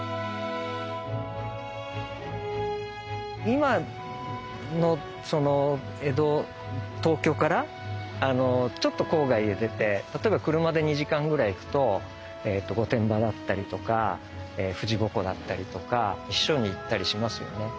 今の東京からちょっと郊外へ出て例えば車で２時間ぐらい行くと御殿場だったりとか富士五湖だったりとか避暑に行ったりしますよね。